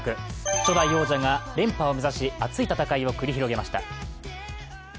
初代王者が連覇を目指し熱い戦いを繰り広げました。